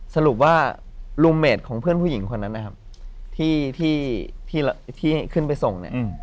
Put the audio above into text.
สรุปว่าลูเมดของเพื่อนผู้หญิงคนนั้นนะครับที่ขึ้นไปส่งเนี่ย